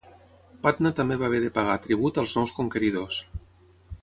Patna també va haver de pagar tribut als nous conqueridors.